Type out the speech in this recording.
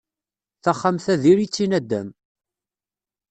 Taxxamt-a diri-tt i nadam.